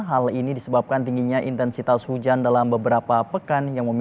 hal ini disebabkan tingginya intensitas hujan dalam beberapa pekan